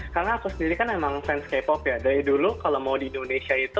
karena aku sendiri kan memang fans k pop ya dari dulu kalau mau di indonesia itu